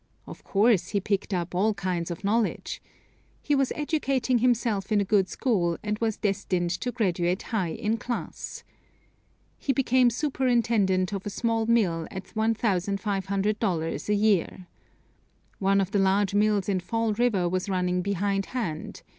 Of course he picked up all kinds of knowledge. He was educating himself in a good school, and was destined to graduate high in his class. He became superintendent of a small mill at $1,500 a year. One of the large mills in Fall River was running behind hand.